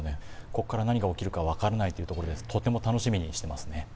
ここから何が起きるか分からないというところでとても楽しみにしてますね